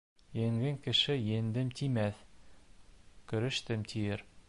Еңгән кеше «еңдем» тимәҫ, «көрәштем» тиер.